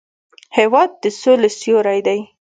هېواد د سولې سیوری دی.